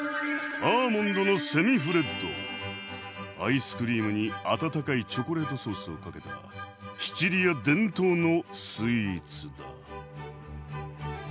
アイスクリームに温かいチョコレートソースをかけたシチリア伝統のスイーツだ。